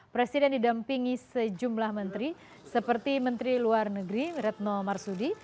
presiden didampingi sejumlah menteri seperti menteri luar negeri retno marsudi